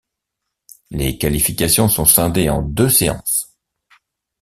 Les qualifications sont scindées en deux séances.